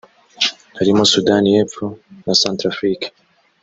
harimo Sudani y’Epfo na Centrafrique